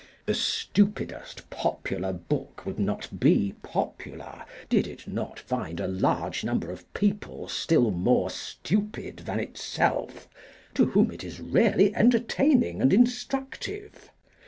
The stupidest popular book would not be popular did it not find a large number of people still more stupid than itself, to whom it is really entertaining and instructive.